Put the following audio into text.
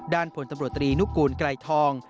ด้านผลสำรวจตรีนุกกูลไกลทอง